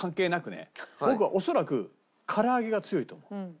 僕は恐らくから揚げが強いと思う。